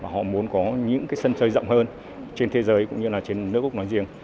họ muốn có những sân chơi rộng hơn trên thế giới cũng như nước úc nói riêng